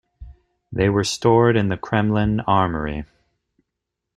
They were stored in the Kremlin Armoury.